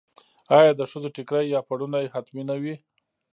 آیا د ښځو ټیکری یا پړونی حتمي نه وي؟